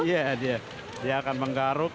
iya dia akan menggaruk